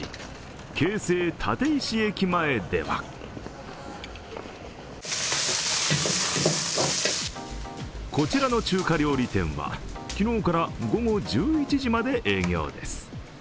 京成立石駅前ではこちらの中華料理店は、昨日から午後１１時まで営業です。